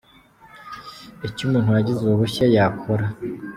Icyo umuntu wagize ubu bushye yakora.